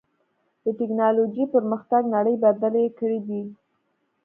د ټکنالوجۍ پرمختګ نړۍ بدلې کړې ده.